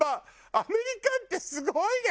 アメリカってすごいね！